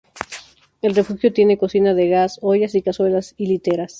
El refugio tiene cocina de gas, ollas y cazuelas y literas.